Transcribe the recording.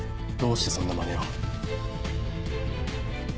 どうしてそんなまねを？